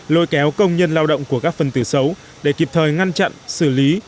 lôi kéo công nhân lao động của các phần tử xấu để kịp thời ngăn chặn xử lý